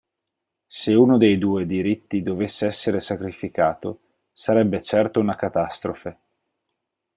Se uno dei due diritti dovesse essere sacrificato, sarebbe certo una catastrofe.